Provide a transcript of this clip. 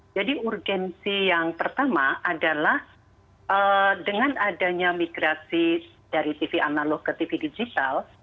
jadi urgensi yang pertama adalah dengan adanya migrasi dari tv analog ke tv digital